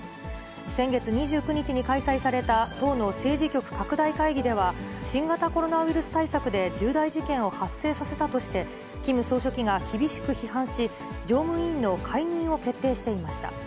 先月２９日に開催された党の政治局拡大会議では、新型コロナウイルス対策で重大事件を発生させたとして、キム総書記が厳しく批判し、常務委員の解任を決定していました。